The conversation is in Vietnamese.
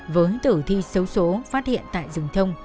với tử thi xấu số phát hiện tại rừng thông